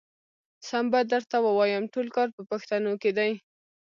سم به درته ووايم ټول کار په پښتنو کې دی.